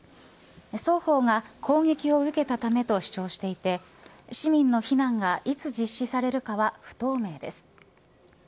双方が攻撃を受けたためと主張していて市民の避難がいつ実施されるかは不透明です。